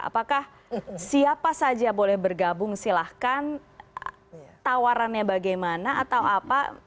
apakah siapa saja boleh bergabung silahkan tawarannya bagaimana atau apa